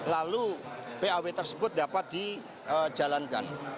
lalu paw tersebut dapat dijalankan